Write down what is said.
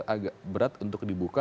agak berat untuk dibuka